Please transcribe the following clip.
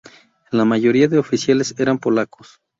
La mayoría de oficiales eran polacos.